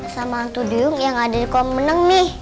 sama hantu duyung yang ada di kolam berenang nih